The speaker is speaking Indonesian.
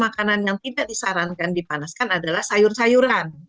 makanan yang tidak disarankan dipanaskan adalah sayur sayuran